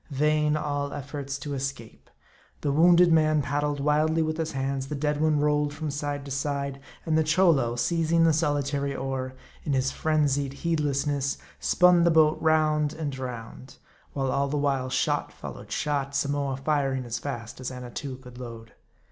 Vain all efforts to escape. The wounded man paddled wildly with his hands ; the dead one rolled from side to side ; and the Cholo, seizing tne solitary oar, in his frenzied heedlessness, spun the boat round and round ; while all the while shot followed shot, Samoa firing as .fast as Annatoo could load.